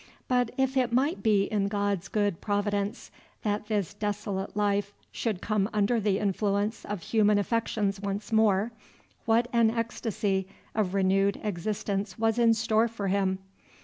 But if it might be in God's good providence that this desolate life should come under the influence of human affections once more, what an ecstasy of renewed existence was in store for him!